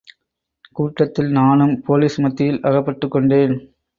கூட்டத்தில் நானும் போலீஸ் மத்தியில் அகப்பட்டுக்கொண்டேன்.